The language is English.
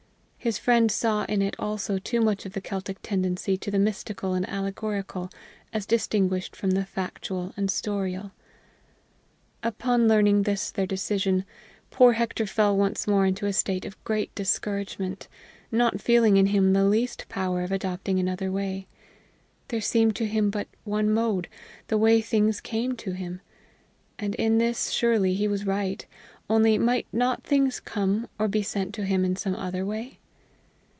His friend saw in it also too much of the Celtic tendency to the mystical and allegorical, as distinguished from the factual and storial. Upon learning this their decision, poor Hector fell once more into a state of great discouragement, not feeling in him the least power of adopting another way; there seemed to him but one mode, the way things came to him. And in this surely he was right only might not things come, or be sent to him in some other way?